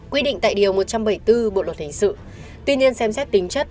quy định tại điều một trăm bảy mươi bốn bộ luật hình sự tuy nhiên xem xét tính chất